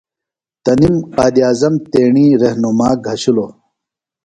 تنم قائداعظم تیݨی رہنُما گھشِلوۡ۔